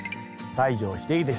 西城秀樹です。